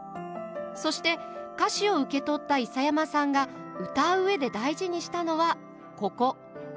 そして歌詞を受け取った諫山さんが歌う上で大事にしたのはここ。